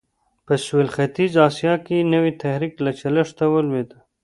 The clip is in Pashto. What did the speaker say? په سوېل ختیځه اسیا کې نوی تحرک له چلښته ولوېد.